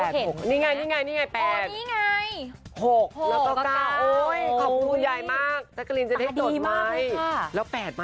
แต่ว่าคุณยายเขาตาดีใช่มะ